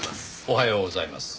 おはようございます。